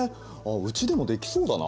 うちでもできそうだな。